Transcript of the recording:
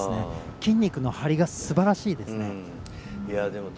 筋肉の張りが素晴らしいです。